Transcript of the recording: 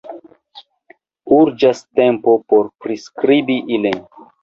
Urĝas tempo por priskribi ilin.